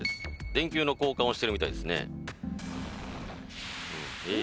電球の交換をしてるみたいですねええ